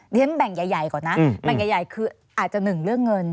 เรียนแบ่งใหญ่ก่อนนะแบ่งใหญ่คืออาจจะหนึ่งเรื่องเงิน